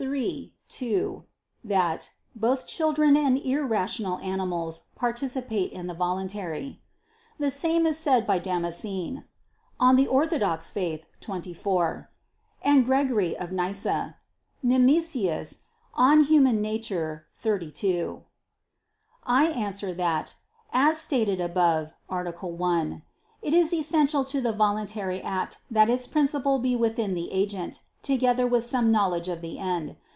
iii, 2) that "both children and irrational animals participate in the voluntary." The same is said by Damascene (De Fide Orth. 24) and Gregory of Nyssa [*Nemesius, De Nat. Hom. xxxii.]. I answer that, As stated above (A. 1), it is essential to the voluntary act that its principle be within the agent, together with some knowledge of the end.